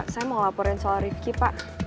saya mau laporan soal rifqi pak